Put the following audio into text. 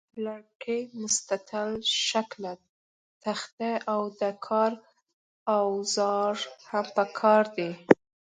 د لرګي مستطیل شکله تخته او د کار اوزار هم پکار دي.